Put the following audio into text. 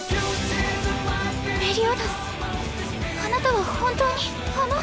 メリオダスあなたは本当にあの。